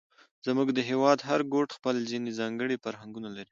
زموږ د هېواد هر ګوټ خپل ځېنې ځانګړي فرهنګونه لري،